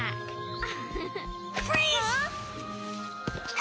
あ！